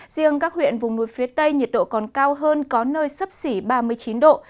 riêng các huyện vùng núi phía tây nhiệt độ còn cao hơn có nơi sấp xỉ ba mươi chín độ